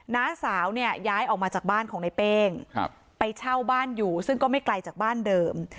น้าสาวเนี่ยย้ายออกมาจากบ้านของในเป้งไปเช่าบ้านอยู่ซึ่งก็ไม่ไกลจากบ้านเดิม